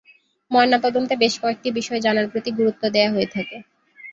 ময়না তদন্তে বেশ কয়েকটি বিষয় জানার প্রতি গুরুত্ব দেয়া হয়ে থাকে।